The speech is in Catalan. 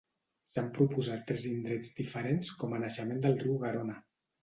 S'han proposat tres indrets diferents com a naixement del riu Garona.